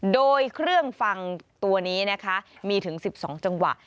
โดยเครื่องฟังตัวนี้นะคะมีถึง๑๒จังหวะ